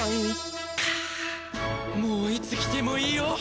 もういつ来てもいいよ！